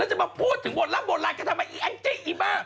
แล้วจะมาพูดถึงโบราณโบราณก็ทำไมไอ้แอ้งจี้อีบ้า